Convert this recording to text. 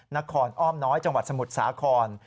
นครอ้อมน้อยจังหวัดสมุทรสาคร